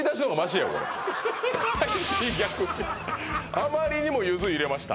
あまりにもゆず入れました